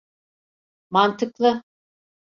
Mantıklı.